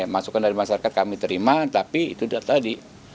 masukan dari masyarakat kami terima tapi itu tadi